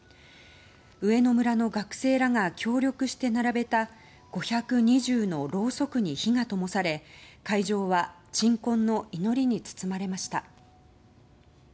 上野村の学生らが協力して並べた５２０のろうそくに火がともされ会場は鎮魂の祈りに包まれました。